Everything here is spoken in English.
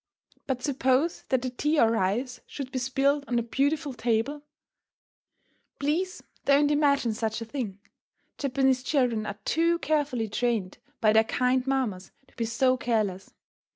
But suppose that the tea or rice should be spilled on the beautiful table? Please don't imagine such a thing. Japanese children are too carefully trained by their kind mammas to be so careless.